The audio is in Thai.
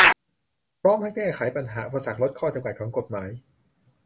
พร้อมทั้งแก้ไขปัญหาอุปสรรค ลดข้อจำกัดของกฎหมาย